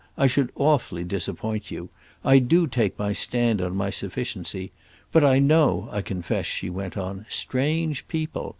I should awfully disappoint you. I do take my stand on my sufficiency. But I know, I confess," she went on, "strange people.